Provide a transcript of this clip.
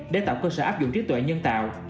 để tạo cơ sở áp dụng trí tuệ nhân tạo